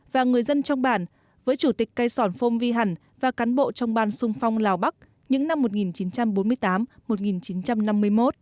và người dân trong bản với chủ tịch cây sòn phong vi hẳn và cán bộ trong ban sung phong lào bắc những năm một nghìn chín trăm bốn mươi tám một nghìn chín trăm năm mươi một